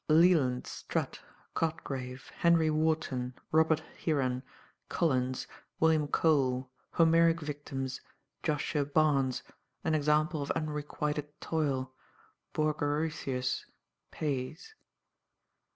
Leland Strutt Cotgrave Henry Wharton Robert Heron Collins William Cole Homeric victims Joshua Barnes An example of unrequited toil Borgarutius Pays.